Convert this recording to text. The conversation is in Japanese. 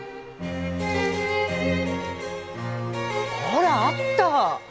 ほらあった！